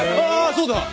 そうだ。